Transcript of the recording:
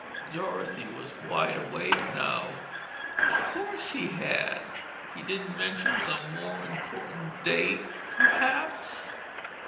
Dorothy was wide awake now. "Of course he had!" "He didn't mention some more important date, perhaps?"